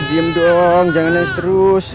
diem dong jangan nangis terus